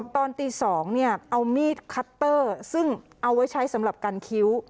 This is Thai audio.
ตอนตี๒เอามีดคัตเตอร์ซึ่งเอาไว้ใช้สำหรับกันคิ้ว